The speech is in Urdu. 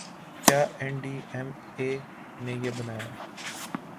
کیا این ڈی ایم اے نے یہ بنایا